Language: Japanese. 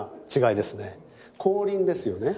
光輪ですよね。